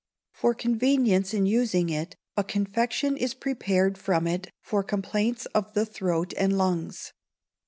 For convenience in using it, a confection is prepared from it for complaints of the throat and lungs.